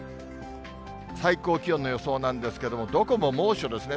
最高気温の予想なんですけども、どこも猛暑ですね。